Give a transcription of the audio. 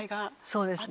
そうですね。